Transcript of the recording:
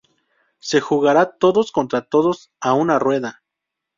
Se jugará todos contra todos, a una rueda.